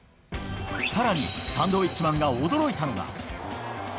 さらに、サンドウィッチマンが驚いたのが。